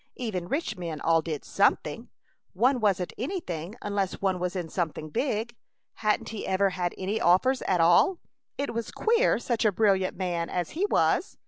Even rich men all did something. One wasn't anything unless one was in something big! Hadn't he ever had any offers at all? It was queer, such a brilliant man as he was.